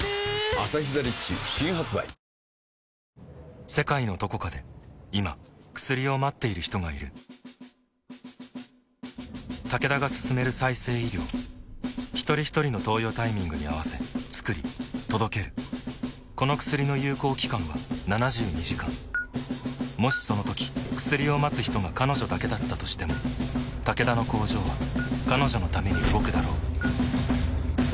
「アサヒザ・リッチ」新発売世界のどこかで今薬を待っている人がいるタケダが進める再生医療ひとりひとりの投与タイミングに合わせつくり届けるこの薬の有効期間は７２時間もしそのとき薬を待つ人が彼女だけだったとしてもタケダの工場は彼女のために動くだろう